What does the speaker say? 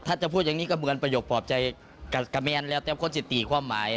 ถ้าจะพูดอย่างนี้ก็เหมือนประโยคปลอบใจกับกะแมนแล้วแต่คนสิติความหมาย